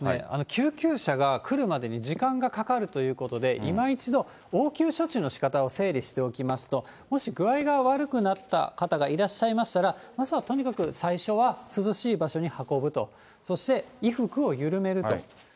救急車が来るまでに時間がかかるということで、今一度、応急処置のしかたを整理しておきますと、もし具合が悪くなった方がいらっしゃいましたら、まずはとにかく最初は涼しい場所に運ぶと、そして衣服を緩めると。